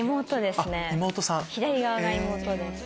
左側が妹です。